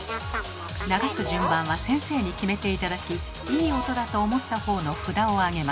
流す順番は先生に決めて頂きいい音だと思った方の札を挙げます。